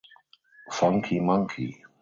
Funky monkey.